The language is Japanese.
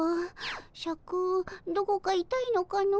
シャクどこかいたいのかの？